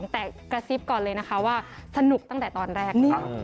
แต่กระซิบก่อนเลยนะคะว่าสนุกตั้งแต่ตอนแรก